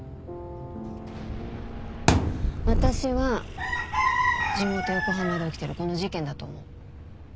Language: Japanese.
私は地元横浜で起きてるこの事件だと思う。